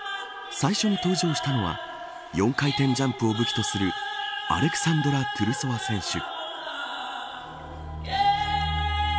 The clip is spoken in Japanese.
最初に登場したのは４回転ジャンプを武器とするアレクサンドラ・トゥルソワ選手。